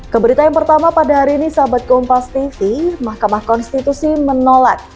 keberitaan pertama pada hari ini sahabat kompastv mahkamah konstitusi menolak